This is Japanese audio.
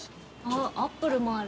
アップルもある。